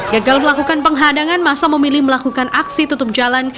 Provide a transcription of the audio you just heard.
gagal melakukan penghadangan masa memilih melakukan aksi tutup jalan